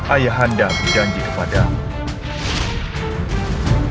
ayahanda berjanji kepadamu